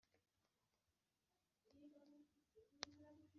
Muri iryo teme n'Inkubitaruguma